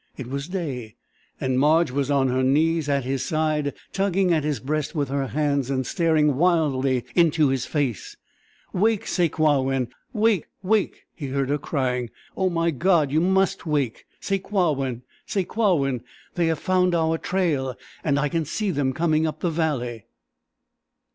It was day, and Marge was on her knees at his side, tugging at his breast with her hands and staring wildly into his face. "Wake, Sakewawin wake, wake!" he heard her crying. "Oh, my God, you must wake! Sakewawin Sakewawin they have found our trail and I can see them coming up the valley!"